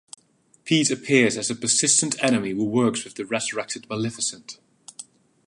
Pete appears as a persistent enemy who works with the resurrected Maleficent.